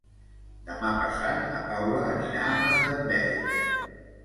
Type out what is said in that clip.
Demà passat na Paula anirà a Masdenverge.